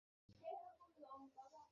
Steven, আমাদের সাথে যাবে?